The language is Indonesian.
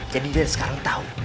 jadi dia sekarang tau